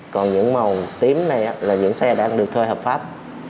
còn những màu tím này là những xe đã được thuê hợp pháp